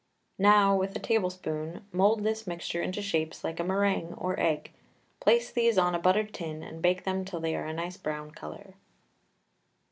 Now, with a tablespoon, mould this mixture into shapes like a meringue or egg; place these on a buttered tin and bake them till they are a nice brown colour.